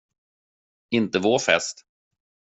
Inte vår fest.